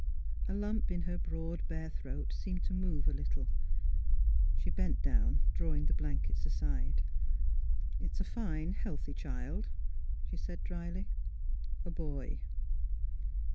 A lump in her broad, bare throat seemed to move a lit tle. She bent down, drawing the blankets aside. *' It is a fine, healthy child," she said, dryly. " A boy."